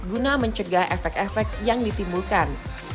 guna mencegah efek efek yang ditimbulkan